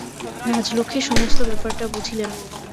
রাজলক্ষ্মী সমস্ত ব্যাপারটা বুঝিলেন।